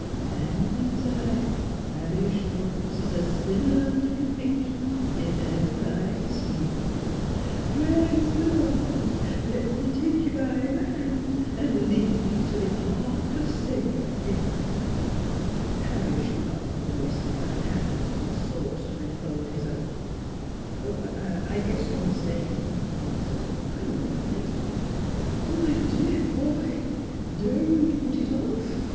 An' thinks, s' I, Harry Schwartz is a sinner under conviction, if ever I see one. Praise th' Lord! Let me take you b' th' hand an' lead you t' th' ark of safety." Harry shook off the moist, fat hand which sought to enfold his own. " Oh, I guess you're mistaken," he muttered. " I'm all right." " Oh, my de ar boy, don't put it off